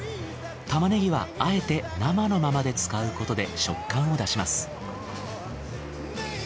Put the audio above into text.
玉ねぎはあえて生のままで使うことで食感を出します。